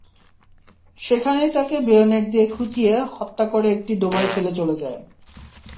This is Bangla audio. সেখানেই তাঁকে বেয়নেট দিয়ে খুঁচিয়ে হত্যা করে একটি ডোবায় ফেলে চলে যায়।